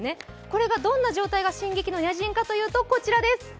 これがどんな状態が進撃のニャ人かというと、こちらです。